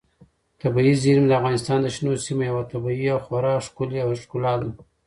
طبیعي زیرمې د افغانستان د شنو سیمو یوه طبیعي او خورا ښکلې ښکلا ده.